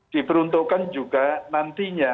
diperuntukkan juga nantinya